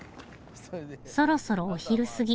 そろそろお昼過ぎ。